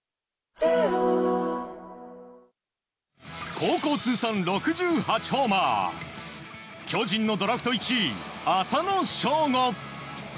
高校通算６８ホーマー巨人のドラフト１位、浅野翔吾。